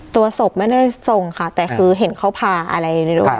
ตัวศพไม่ได้ส่งค่ะแต่คือเห็นเขาพาอะไรในดังนั้น